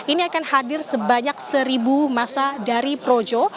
ini akan hadir sebanyak seribu masa dari projo